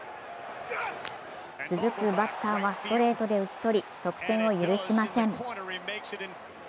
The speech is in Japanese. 続くバッターはストレートで打ち取り得点を許しません。